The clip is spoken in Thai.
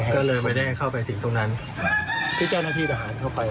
ก็เลยไม่ได้เข้าไปถึงตรงนั้นที่เจ้าหน้าที่ทหารเข้าไป